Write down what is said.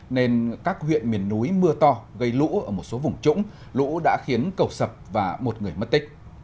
nên các huyện miền núi mưa to gây lũ ở một số vùng trũng lũ đã khiến cầu sập và một người mất tích